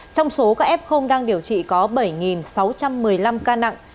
trong số các f đang điều trị có bảy sáu trăm một mươi năm ca nặng